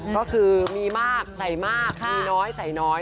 ก็คือมีมากใส่มากมีน้อยใส่น้อย